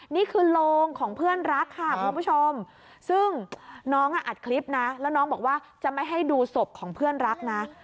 นี่คือโรงของเพื่อนรักค่ะคุณผู้ชมซึ่งน้องอ่ะอัดคลิปนะแล้วน้องบอกว่าจะไม่ให้ดูศพของเพื่อนรักนะ